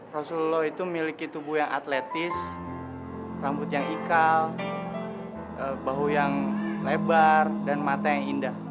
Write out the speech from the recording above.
rasulullah itu miliki tubuh yang atletis rambut yang ikal bahu yang lebar dan mata yang indah